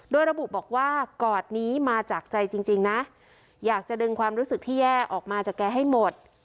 โดยระบุบอกว่ากอดนี้มาจากใจจริงนะอยากจะดึงความรู้สึกที่แย่ออกมาจากแกให้หมด